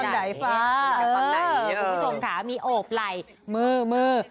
ทุกคุณผู้ชมค่ามีโอปไหล่มือ